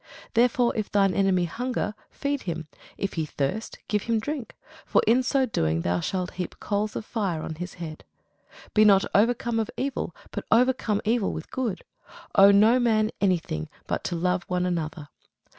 Therefore if thine enemy hunger, feed him; if he thirst, give him drink: for in so doing thou shalt heap coals of fire on his head. Be not overcome of evil, but overcome evil with good. Owe no man any thing, but to love one another.